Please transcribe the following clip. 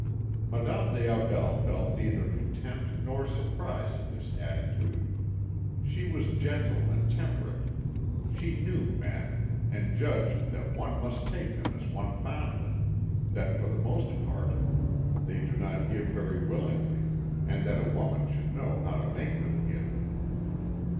Madame des Aubels felt neither contempt nor surprise at this attitude; she was gentle and temperate, she knew men, and judged that one must take them as one found them, that for the most part they do not give very willingly, and that a woman should know how to make them give.